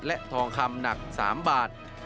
และทองคำหนัก๓บาท